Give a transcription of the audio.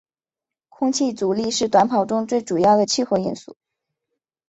空气阻力是短跑中最主要的气候因素。